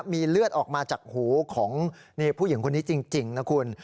มีเลือดออกมาจากหูของผู้หญิงคนนี้จริงนะคุณ